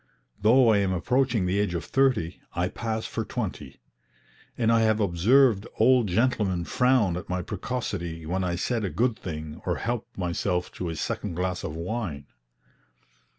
Though I am approaching the age of thirty, I pass for twenty; and I have observed old gentlemen frown at my precocity when I said a good thing or helped myself to a second glass of wine.